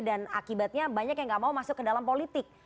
dan akibatnya banyak yang gak mau masuk ke dalam politik